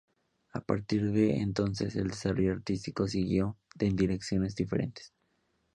A partir de entonces el desarrollo artístico siguió en direcciones diferentes.